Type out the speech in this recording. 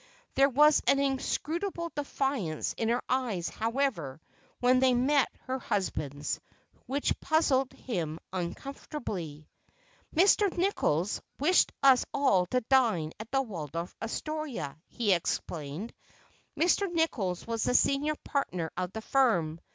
There was an inscrutable defiance in her eyes, however, when they met her husband's, which puzzled him uncomfortably. "Mr. Nichols wished us all to dine at the Waldorf Astoria," he explained—Mr. Nichols was the senior partner of the firm.